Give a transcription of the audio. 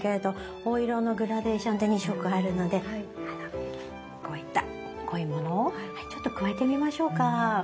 お色のグラデーションで２色あるのでこういった濃いものをちょっと加えてみましょうか。